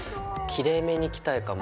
きれいめに着たいかも。